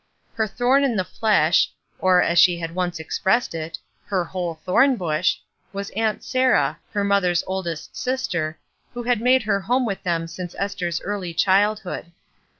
Her thorn in the flesh, or as she had once expressed it, her "whole thorn bush," was Aunt Sarah, her mother's oldest sister, who had made her home with them since Esther's early childhood.